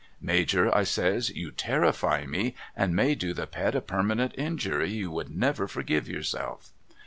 ' Major,' I says, ' you terrify me and may do the pet a permanent injury you would never forgive yourself.'